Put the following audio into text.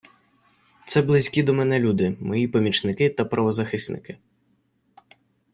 Це близькі до мене люди, мої помічники та правозахисники.